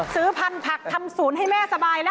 ซื้อพันธุ์ผักทำศูนย์ให้แม่สบายแล้ว